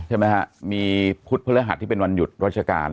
ใช่ไหมฮะมีพุธพฤหัสที่เป็นวันหยุดราชการ